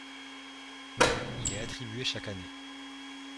Il est attribué chaque année.